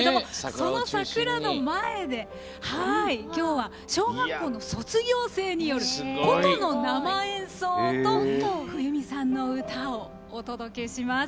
その桜の前で今日は、小学校の卒業生による琴の生演奏と冬美さんの歌をお届けします。